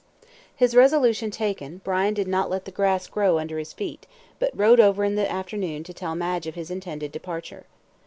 His resolution taken, Brian did not let the grass grow under his feet, but rode over in the afternoon to tell Madge of his intended departure.